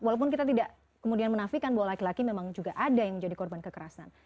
walaupun kita tidak kemudian menafikan bahwa laki laki memang juga ada yang menjadi korban kekerasan